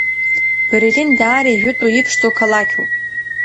Берлин даара ижәытәу, иԥшӡоу қалақьуп.